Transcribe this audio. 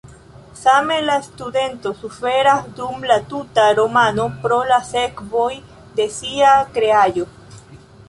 Same la studento suferas dum la tuta romano pro la sekvoj de sia kreaĵo.